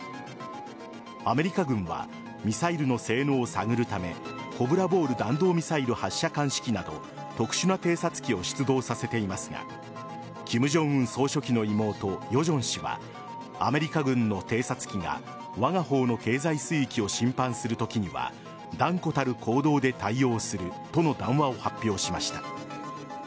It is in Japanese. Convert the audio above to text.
アメリカ軍はミサイルの性能を探るためコブラボール弾道ミサイル発射監視機など特殊な偵察機を出動させていますが金正恩総書記の妹・ヨジョン氏はアメリカ軍の偵察機がわが方の経済水域を侵犯するときには断固たる行動で対応するとの談話を発表しました。